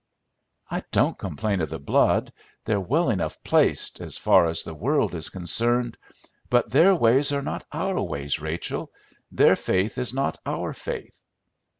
"I don't complain of the blood; they're well enough placed, as far as the world is concerned. But their ways are not our ways, Rachel; their faith is not our faith."